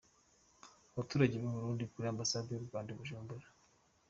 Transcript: Abaturage b’u Burundi kuri Ambasade y’u Rwanda i Bujumbura